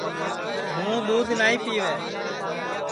ہُوں دُؔودھ نائی پِیوے